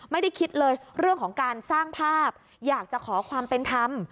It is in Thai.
ไม่ได้คิดเลยเรื่องของการสร้างภาพอยากจะขอความเป็นธรรม